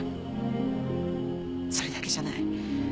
それだけじゃない。